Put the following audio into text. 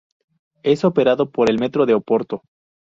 Es operado por el Metro de Oporto.